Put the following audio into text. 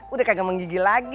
udah kagak menggigi lagi